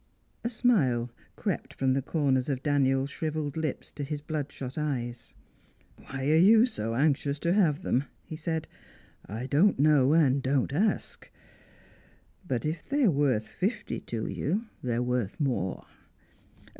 A smile crept from the corners of Daniel's shrivelled lips to his bloodshot eye. "Why are you so anxious to have them," he said, "I don't know and don't ask. But if they are worth fifty to you, they are worth more.